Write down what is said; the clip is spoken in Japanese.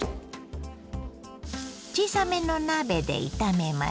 小さめの鍋で炒めます。